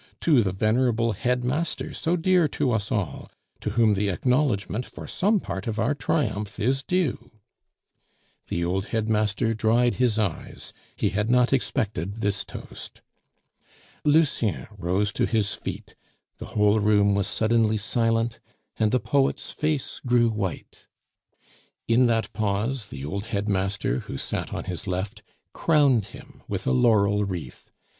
to the venerable headmaster so dear to us all, to whom the acknowledgment for some part of our triumph is due!" The old headmaster dried his eyes; he had not expected this toast. Lucien rose to his feet, the whole room was suddenly silent, and the poet's face grew white. In that pause the old headmaster, who sat on his left, crowned him with a laurel wreath.